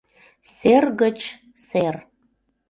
Сер гыч сер